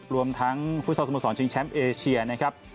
รวมทั้งฟุตซอลสมสรชิงแชมป์เอเชียนะครับ